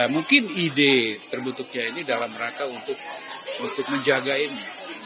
mungkin ide terbentuknya ini dalam rangka untuk menjaga ini